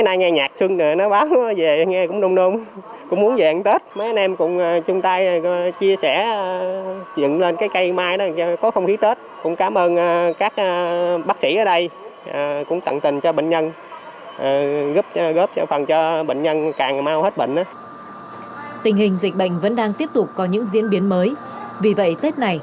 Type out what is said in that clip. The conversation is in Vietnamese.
tình hình dịch bệnh vẫn đang tiếp tục có những diễn biến mới vì vậy tết này thì nhiều y bác sĩ cũng như những nhân viên y tế và cả các tình nguyện viên y tế đã tình nguyện